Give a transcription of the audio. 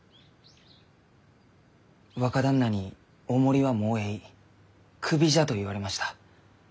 若旦那に「お守りはもうえいクビじゃ」と言われました。